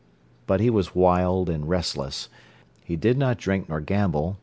But he was wild and restless. He did not drink nor gamble.